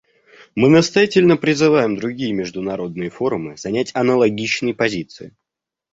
Мы настоятельно призываем другие международные форумы занять аналогичные позиции.